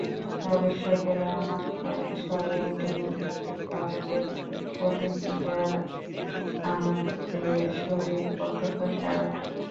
গবেষকেরা মনে করেন, ছয়টি মৌলিক আবেগের প্রতিক্রিয়ায় আমাদের শরীর প্রত্যক্ষ সাড়া দেয়।